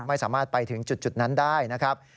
ไม่สามารถไปถึงจุดนั้นได้นะครับ